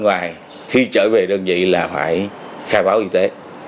ngoài khi trở về đơn vị là phải khai báo y tế